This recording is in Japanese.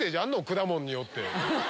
果物によって。